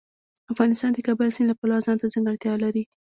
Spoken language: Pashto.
افغانستان د کابل سیند له پلوه ځانته ځانګړتیاوې لري.